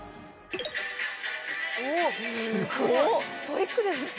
ストイックですね